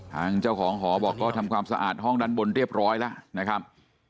ทางเจ้าของหอบอกก็ทำความสะอาดห้องด้านบนเรียบร้อยแล้วนะครับ